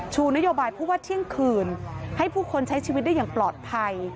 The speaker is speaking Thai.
นโยบายผู้ว่าเที่ยงคืนให้ผู้คนใช้ชีวิตได้อย่างปลอดภัย